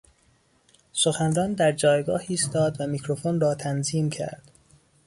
سخنران در جایگاه ایستاد و میکروفن را تنظیم کرد.